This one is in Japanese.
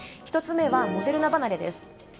１つ目はモデルナ離れです。